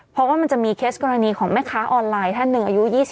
เพราะว่ามันจะมีเคสกรณีของแม่ค้าออนไลน์ท่านหนึ่งอายุ๒๒